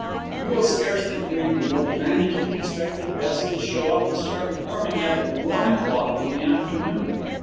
You will scarcely believe me, but the management expected Gussie to show up and start performing at one o'clock in the afternoon.